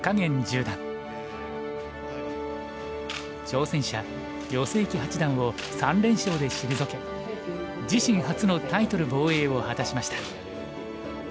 挑戦者余正麒八段を３連勝で退け自身初のタイトル防衛を果たしました。